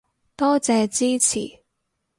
多謝支持